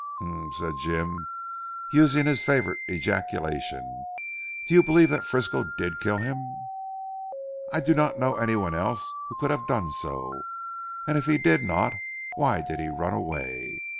"Humph!" said Jim using his favourite ejaculation, "do you believe that Frisco did kill him?" "I do not know anyone else who could have done so. And if he did not, why did he run away?